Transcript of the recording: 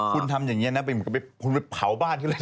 คุณทำแบบนี้ควรลองไปเผาบ้านจัวละ